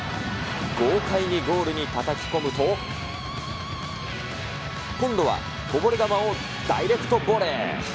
豪快にゴールにたたき込むと、今度はこぼれ球をダイレクトボレー。